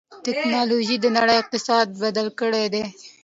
ټکنالوجي د نړۍ اقتصاد بدل کړی دی.